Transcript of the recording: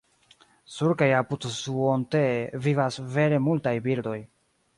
Sur kaj apud Suontee vivas vere multaj birdoj.